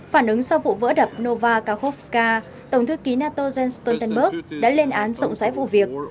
phản ứng sau vụ vỡ đập nova kakhovca tổng thư ký nato jens stoltenberg đã lên án rộng rãi vụ việc